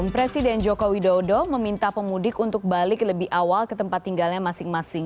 presiden joko widodo meminta pemudik untuk balik lebih awal ke tempat tinggalnya masing masing